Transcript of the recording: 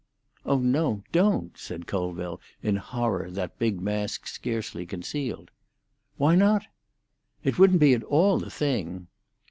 "Oh no, don't," said Colville, in horror that big mask scarcely concealed. "Why not?" "It wouldn't be at all the thing."